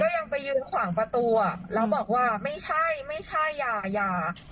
ยังไปยืนขวางประตูอ่ะแล้วบอกว่าไม่ใช่ไม่ใช่อย่า